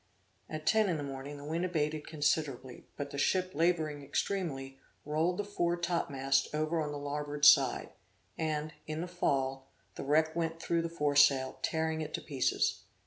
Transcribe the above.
At ten in the morning the wind abated considerably, but the ship labouring extremely, rolled the fore topmast over on the larboard side, and, in the fall, the wreck went through the foresail, tearing it to pieces.